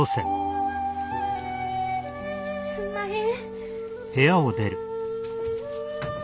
すんまへん。